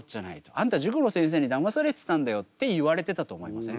あんた塾の先生にだまされてたんだよって言われてたと思いません？